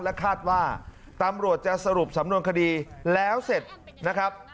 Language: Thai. คาดว่าตำรวจจะสรุปสำนวนคดีแล้วเสร็จนะครับ